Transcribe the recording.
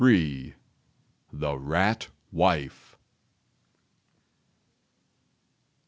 THE RAT WIFE.